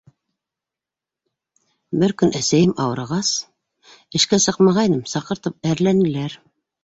Бер көн, әсәйем ауырығас, эшкә сыҡмағайным, саҡыртып әрләнеләр.